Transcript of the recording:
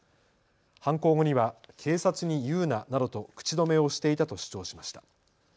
犯行後には警察に言うななどと口止めをしていたと主張しました。